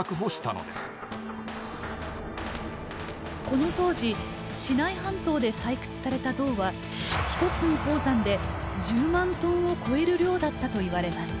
この当時シナイ半島で採掘された銅は１つの鉱山で１０万トンを超える量だったといわれます。